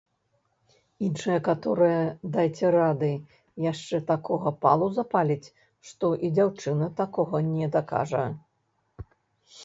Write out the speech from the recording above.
Іншая каторая, дайце рады, яшчэ такога палу запаліць, што і дзяўчына таго не дакажа!